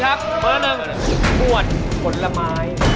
รีปวดผลไม้